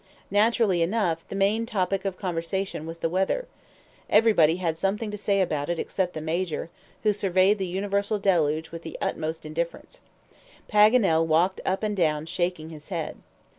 Naturally enough, the main topic of conversation was the weather. Everybody had something to say about it except the Major, who surveyed the universal deluge with the utmost indifference. Paganel walked up and down shaking his head.